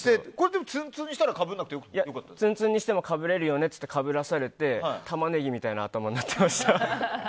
でも、ツンツンにしたらツンツンにしてもかぶれるよねって言ってかぶらされてタマネギみたいな頭になってました。